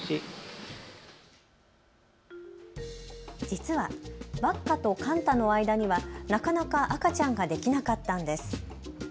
実はワッカとカンタの間にはなかなか赤ちゃんができなかったんです。